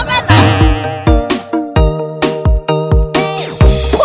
กรุงเทพค่ะ